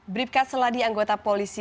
bribka seladi anggota polisi